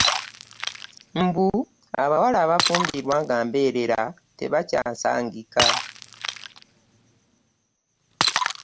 Mbu abawala abafumbirwa nga mbeerera tebakyasangika!